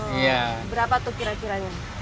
berapa tuh kira kiranya